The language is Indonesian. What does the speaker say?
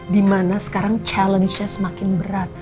dimana sekarang challenge nya semakin berat